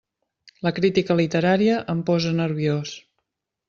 La crítica literària em posa nerviós!